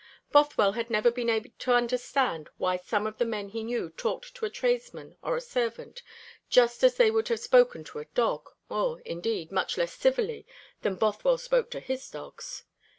Bothwell had never been able to understand why some of the men he knew talked to a tradesman or a servant just as they would have spoken to a dog, or, indeed, much less civilly than Bothwell spoke to his dogs.